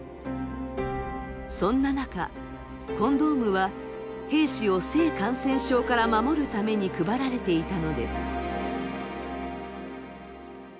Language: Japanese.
そんな中コンドームは兵士を性感染症から守るために配られていたのです。